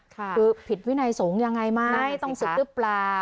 คือผิดวินัยสงฆ์ยังไงไหมต้องศึกหรือเปล่า